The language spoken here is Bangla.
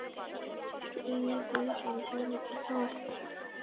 নিজের স্বামীকে মারতে চাও?